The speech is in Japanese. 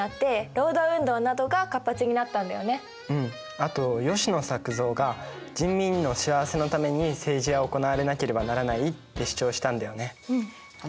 あと吉野作造が「人民の幸せのために政治は行われなければならない」って主張したんだよね。